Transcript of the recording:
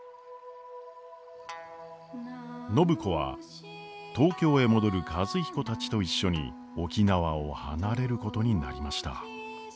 暢子は東京へ戻る和彦たちと一緒に沖縄を離れることになりました。